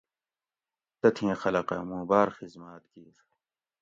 تتھیں خلقہ موں باۤر خزمات کِیر